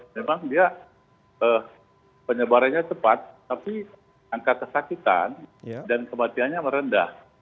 memang dia penyebarannya cepat tapi angka kesakitan dan kematiannya merendah